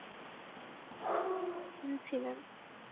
তিনি খলিফার পদে আসীন ছিলেন।